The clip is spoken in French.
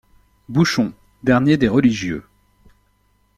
Bouchon, dernier des religieux.